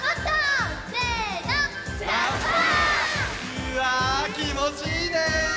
うわきもちいいね！